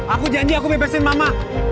aku janji aku bebasin mama